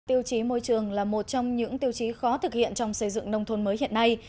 tiêu chí môi trường là một trong những tiêu chí khó thực hiện trong xây dựng nông thôn mới hiện nay